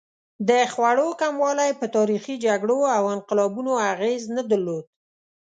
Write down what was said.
د خوړو کموالی په تاریخي جګړو او انقلابونو اغېز نه درلود.